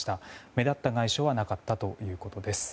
目立った外傷はなかったということです。